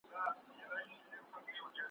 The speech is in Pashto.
چي کیسې مي د ګودر د پېغلو راوړي ,